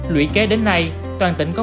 lũy kế đến nay toàn tỉnh có bốn một trăm linh